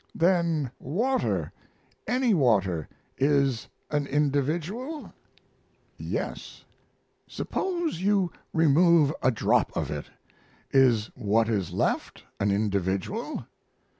"Then water any water is an individual?" "Yes." "Suppose you remove a drop of it? Is what is left an individual?"